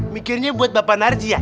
mikirnya buat bapak narji ya